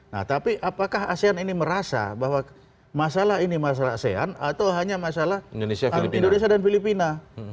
nah tapi apakah asean ini merasa bahwa masalah ini masalah asean atau hanya masalah indonesia dan filipina